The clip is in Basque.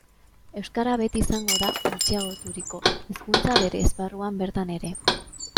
Euskara beti izango da gutxiagoturiko hizkuntza bere esparruan bertan ere.